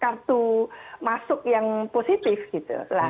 kartu masuk yang positif gitu